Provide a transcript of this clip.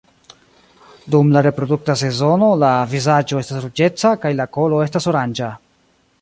Dum la reprodukta sezono, la vizaĝo estas ruĝeca kaj la kolo estas oranĝa.